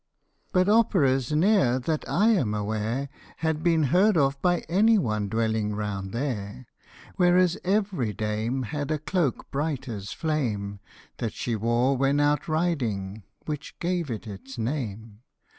But operas ne'er, that I am aware, Had been heard of by any one dwelling round there ; Whereas every dame had a cloak bright as flame That she wore when out riding (which gave it its name.)